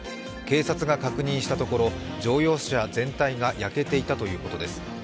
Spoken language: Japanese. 警察が確認したところ、乗用車全体が焼けていたということです。